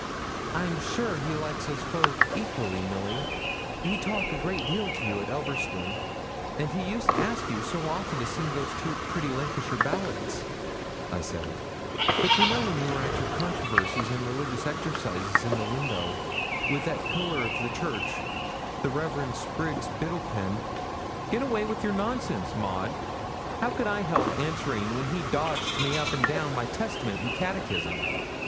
'I'm sure he likes us both equally, Milly; he talked a great deal to you at Elverston, and used to ask you so often to sing those two pretty Lancashire ballads,' I said; 'but you know when you were at your controversies and religious exercises in the window, with that pillar of the church, the Rev. Spriggs Biddlepen ' 'Get awa' wi' your nonsense, Maud; how could I help answering when he dodged me up and down my Testament and catechism?